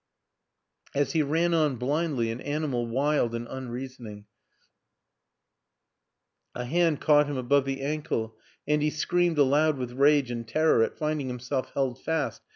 As he ran on blindly, an ani mal wild and unreasoning, a hand caught him above the ankle and he screamed aloud with rage and terror at finding himself held fast.